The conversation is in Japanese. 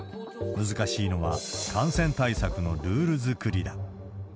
難しいのは、感染対策のルール作りだ。